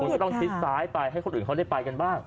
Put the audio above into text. ก็ต้องชิดซ้ายไปให้คนอื่นเขาได้ไปกันบ้าง